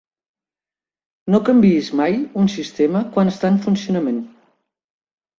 No canviïs mai un sistema quan està en funcionament.